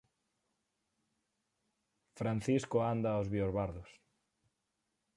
Francisco anda aos biosbardos